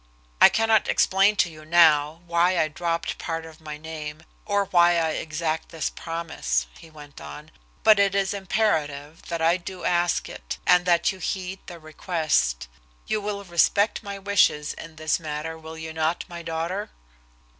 "I cannot explain to you now, why I dropped part of my name, or why I exact this promise," he went on, "but it is imperative that I do ask it, and that you heed the request. You will respect my wishes in this matter, will you not, my daughter?"